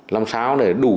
làm sao để đủ